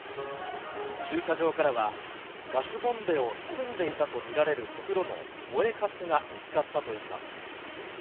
駐車場からはガスボンベを包んでいたと見られる袋の燃えかすが見つかったといいます。